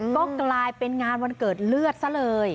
ก็กลายเป็นงานวันเกิดเลือดซะเลย